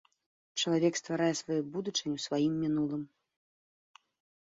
Чалавек стварае сваю будучыню сваім мінулым.